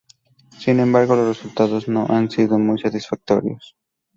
Sin embargo, los resultados no han sido muy satisfactorios.